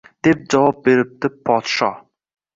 Deb javob beribdi podsho